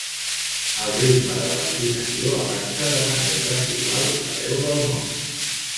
El ritme de vaccinació avança de manera desigual arreu del món.